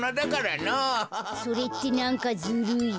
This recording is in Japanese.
それってなんかずるい。